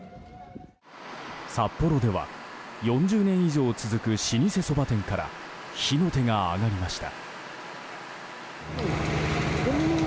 札幌では４０年以上続く老舗そば店から火の手が上がりました。